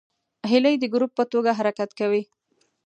هیلۍ د ګروپ په توګه حرکت کوي